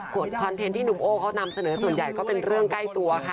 คอนเทนต์ที่หนุ่มโอ้เขานำเสนอส่วนใหญ่ก็เป็นเรื่องใกล้ตัวค่ะ